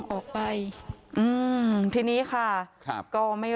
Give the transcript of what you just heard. ความปลอดภัยของนายอภิรักษ์และครอบครัวด้วยซ้ำ